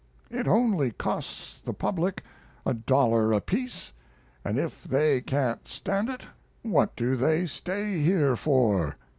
It only costs the public a dollar apiece, and if they can't stand it what do they stay here for?